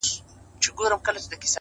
خير دی؛ زه داسي یم؛ چي داسي نه وم؛